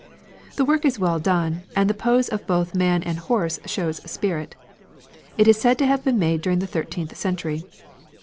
This work is well done, and the pose of both man and horse shows spirit. It is said to have been made during the thirteenth century.